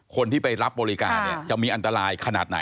คนที่ไปรับบริการเนี่ยจะมีอันตรายขนาดไหน